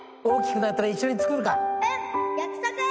大きくなったら一緒に作るか。